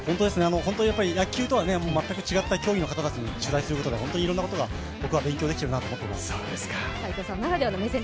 本当に野球とは全く違った競技の方たちに、取材することで僕はいろんなことが勉強できるなと思っています。